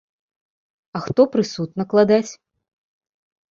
А хто прысуд накладаць?